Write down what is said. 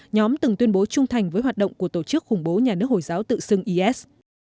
nhóm từng tuyên bố trung thành với hoạt động của tổ chức khủng bố nhà nước hồi giáo tự xưng is